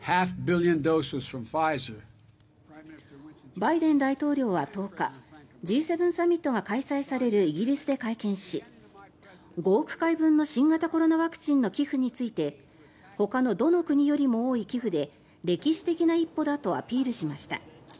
バイデン大統領は１０日Ｇ７サミットが開催されるイギリスで会見し５億回分の新型コロナワクチンの寄付についてほかのどの国よりも多い寄付で歴史的な一歩だとアピールしました。